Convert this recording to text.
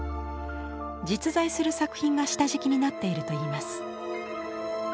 実在する作品が下敷きになっているといいます。